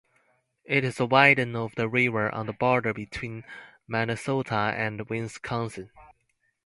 It is a widening of the river on the border between Minnesota and Wisconsin.